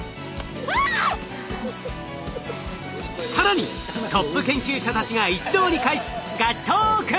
更にトップ研究者たちが一堂に会しガチトーク！